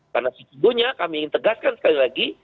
karena sejujurnya kami ingin tegaskan sekali lagi